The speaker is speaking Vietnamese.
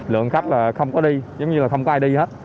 lượng khách là không có đi giống như là không có ai đi hết